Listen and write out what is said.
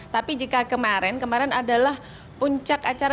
tapi jika kemarin kemarin adalah puncak acara